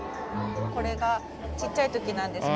これがちっちゃい時なんですけど。